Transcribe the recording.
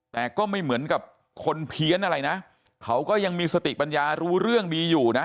แต่ก็ไม่เหมือนกับคนเพี้ยนอะไรนะเขาก็ยังมีสติปัญญารู้เรื่องดีอยู่นะ